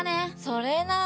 それな。